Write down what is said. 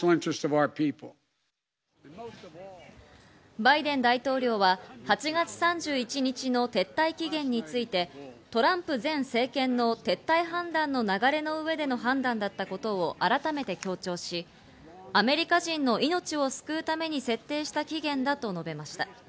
バイデン大統領は８月３１日の撤退期限について、トランプ前政権の撤退判断の流れの上での判断だったことを改めて強調し、アメリカ人の命を救うために設定した期限だと述べました。